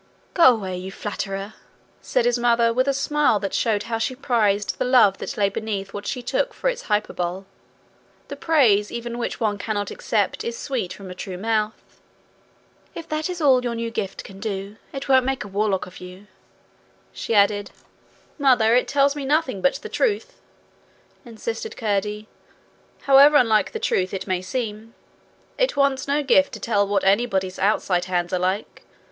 'Go away, you flatterer,' said his mother, with a smile that showed how she prized the love that lay beneath what she took for its hyperbole. The praise even which one cannot accept is sweet from a true mouth. 'If that is all your new gift can do, it won't make a warlock of you,' she added. 'Mother, it tells me nothing but the truth,' insisted Curdie, 'however unlike the truth it may seem. It wants no gift to tell what anybody's outside hands are like.